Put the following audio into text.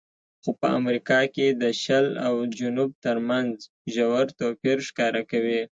خو په امریکا کې د شل او جنوب ترمنځ ژور توپیر ښکاره کوي.